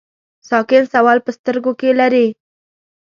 ساکن سوال په سترګو کې لري.